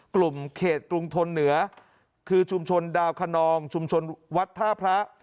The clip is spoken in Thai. กลุ่มเขตกรุงทนเหนือคือชุมชนดาวคนนองชุมชนวัดท่าพระ